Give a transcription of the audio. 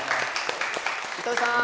糸井さん！